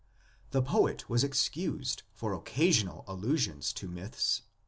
The poet was excused for occasional allusions to myths.